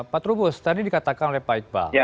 pak trubus tadi dikatakan oleh pak iqbal